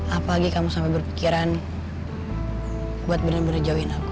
apalagi kamu sampai berpikiran buat bener bener jauhin aku